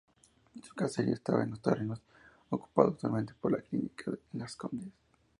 Su caserío estaba en los terrenos ocupados actualmente por la Clínica Las Condes.